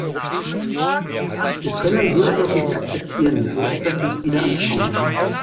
Wir können so etwas nicht akzeptieren, so etwas nicht wieder anschauen!